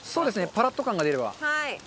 パラッと感が出れば。